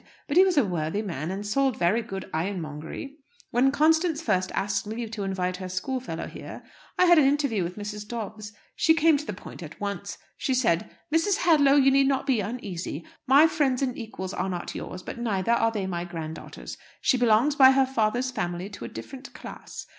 But he was a worthy man, and sold very good ironmongery. When Constance first asked leave to invite her schoolfellow here, I had an interview with Mrs. Dobbs. She came to the point at once. She said, 'Mrs. Hadlow, you need not be uneasy. My friends and equals are not yours; but neither are they my grand daughter's. She belongs by her father's family to a different class.